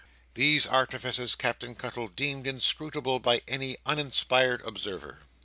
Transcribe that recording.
These artifices Captain Cuttle deemed inscrutable by any uninspired observer.